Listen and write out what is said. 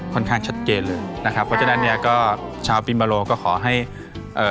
ค่อนข้างชัดเจนเลยนะครับเพราะฉะนั้นเนี้ยก็ชาวปิมาโลกก็ขอให้เอ่อ